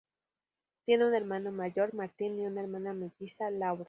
Tiene un hermano mayor, Martín y una hermana melliza, Laura.